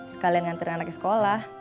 sekalian nganterin anaknya ke sekolah